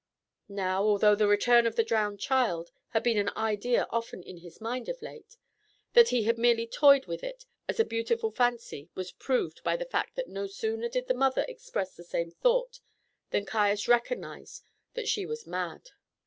Now, although the return of the drowned child had been an idea often in his mind of late, that he had merely toyed with it as a beautiful fancy was proved by the fact that no sooner did the mother express the same thought than Caius recognised that she was mad.